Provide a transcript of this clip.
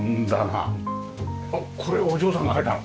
あっこれはお嬢さんが描いたの？